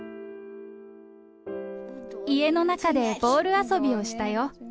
家の中でボール遊びをしたよ。